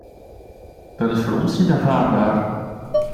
Dat is voor ons niet aanvaardbaar.